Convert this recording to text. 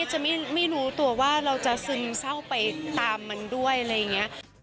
จะไม่รู้ตัวว่าเราจะซึมเศร้าไปตามมันด้วยอะไรอย่างนี้